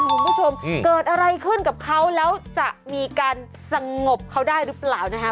คุณผู้ชมเกิดอะไรขึ้นกับเขาแล้วจะมีการสงบเขาได้หรือเปล่านะคะ